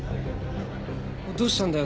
どうしたんだよ？